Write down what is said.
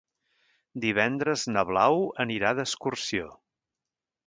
Divendres na Blau anirà d'excursió.